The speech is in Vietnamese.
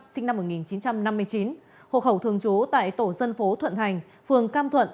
sinh năm một nghìn chín trăm năm mươi chín hộ khẩu thường trú tại tổ dân phố thuận thành phường cam thuận